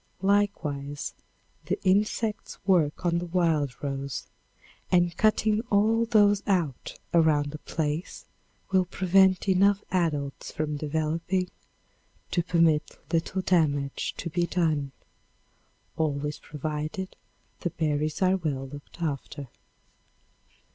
Likewise, the insects work on the wild rose, and cutting all those out around a place will prevent enough adults from developing to permit little damage to be done, always provided the berries are well looked after.